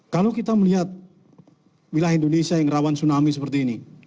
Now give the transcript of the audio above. kalau kita melihat wilayah indonesia yang rawan tsunami seperti ini